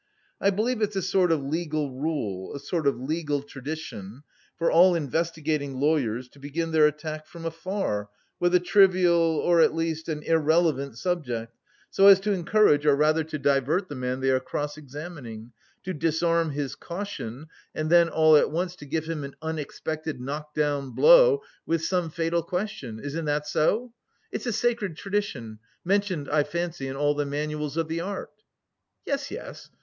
"I believe it's a sort of legal rule, a sort of legal tradition for all investigating lawyers to begin their attack from afar, with a trivial, or at least an irrelevant subject, so as to encourage, or rather, to divert the man they are cross examining, to disarm his caution and then all at once to give him an unexpected knock down blow with some fatal question. Isn't that so? It's a sacred tradition, mentioned, I fancy, in all the manuals of the art?" "Yes, yes....